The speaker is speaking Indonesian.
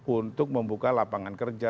untuk membuka lapangan kerja